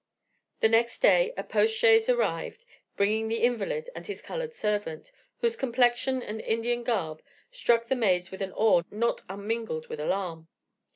The next day a post chaise arrived, bringing the invalid and his colored servant, whose complexion and Indian garb struck the maids with an awe not unmingled with alarm.